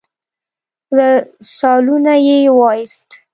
له سالونه يې وايست.